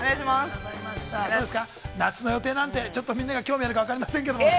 どうですか、夏の予定なんてちょっとみんなが興味があるか分かりませんけど。